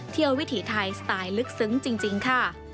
วิถีไทยสไตล์ลึกซึ้งจริงค่ะ